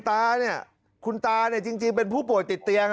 ตาเนี่ยคุณตาเนี่ยจริงเป็นผู้ป่วยติดเตียง